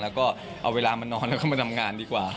แล้วก็เอาเวลามานอนแล้วก็มาทำงานดีกว่า